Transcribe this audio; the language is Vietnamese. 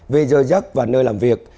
về giới giấc và nơi làm việc